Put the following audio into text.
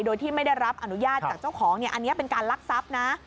โดยที่ไม่ได้รับอนุญาตจากเจ้าของอันนี้เป็นการลักทรัพย์นะ